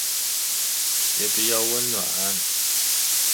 此外博登湖湖畔和高莱茵河河谷也比较温暖。